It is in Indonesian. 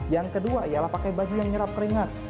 yang kedua ya lah pakai baju yang nyerap keringat